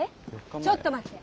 ちょっと待って！